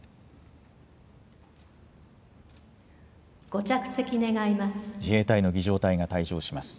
ご着席願います。